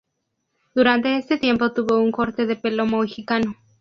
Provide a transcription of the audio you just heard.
Durante este tiempo tuvo un corte de pelo Mohicano.